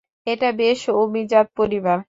এটা বেশ অভিজাত পরিবার।